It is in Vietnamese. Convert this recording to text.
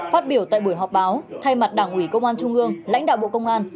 phát biểu tại buổi họp báo thay mặt đảng ủy công an trung ương lãnh đạo bộ công an